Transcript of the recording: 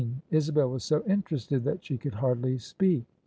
" Isabel was so interested that she could hardly speak.